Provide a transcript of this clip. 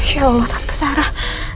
ya allah tante sarah